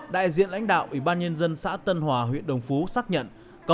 đại diện lãnh đạo ủy ban nhân dân xã tân hòa huyện đồng phú xác nhận